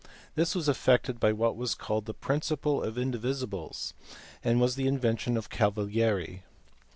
This was effected by what was called the principle of indivisibles, and was the invention of Cavalieri.